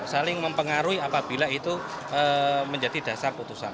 saling mempengaruhi apabila itu menjadi dasar putusan